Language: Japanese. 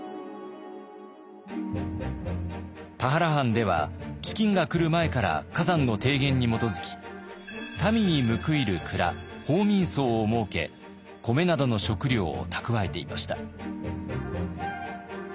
田原藩では飢饉が来る前から崋山の提言に基づき民に報いる倉報民倉を設け米などの食料を蓄えていました。